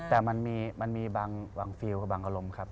แต่มันมีบางฟิลกับบางอารมณ์ครับ